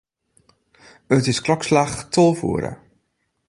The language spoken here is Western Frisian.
It is klokslach tolve oere.